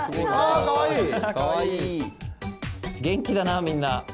元気だなみんな。